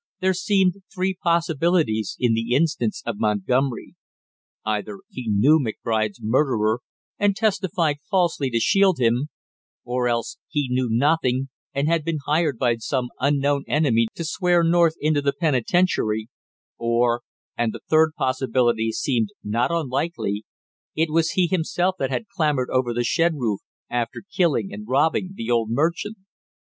There seemed three possibilities in the instance of Montgomery. Either he knew McBride's murderer and testified falsely to shield him; or else he knew nothing and had been hired by some unknown enemy to swear North into the penitentiary; or and the third possibility seemed not unlikely it was he himself that had clambered over the shed roof after killing and robbing the old merchant.